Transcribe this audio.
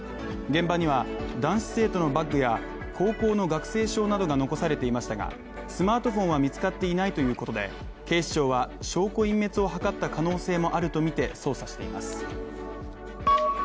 現場には男子生徒のバッグや高校の学生証などが残されていましたが、スマートフォンは見つかっていないということで、警視庁は証拠隠滅を図った可能性もあるとみて捜査しています。